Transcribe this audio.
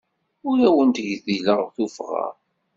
Ur awent-gdileɣ tuffɣa.